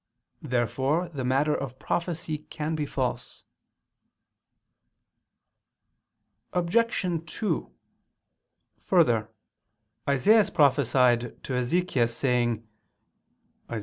Therefore the matter of prophecy can be false. Obj. 2: Further, Isaias prophesied to Ezechias saying (Isa.